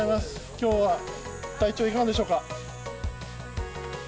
きょうは、体調いかがでしょうか？